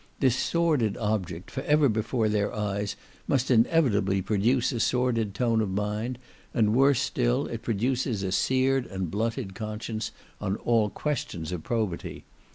This sordid object, for ever before their eyes, must inevitably produce a sordid tone of mind, and, worse still, it produces a seared and blunted conscience on all questions of probity.